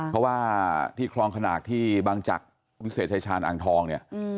เพราะว่าที่คลองขนาดที่บางจักรวิเศษชายชาญอ่างทองเนี่ย